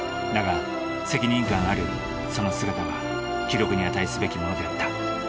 だが責任感あるその姿は記録に値すべきものであった。